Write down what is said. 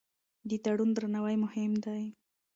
د تړون درناوی مهم دی.